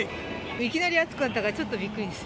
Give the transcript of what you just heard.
いきなり暑くなったから、ちょっとびっくりです。